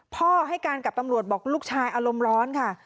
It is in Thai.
ให้การกับตำรวจบอกลูกชายอารมณ์ร้อนค่ะ